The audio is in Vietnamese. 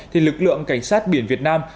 thì lực lượng cảnh sát biển việt nam